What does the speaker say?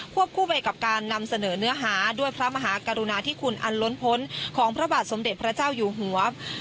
คู่ไปกับการนำเสนอเนื้อหาด้วยพระมหากรุณาธิคุณอันล้นพ้นของพระบาทสมเด็จพระเจ้าอยู่หัว